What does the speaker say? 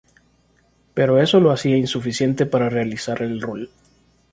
Pero eso lo hacía insuficiente para realizar el rol.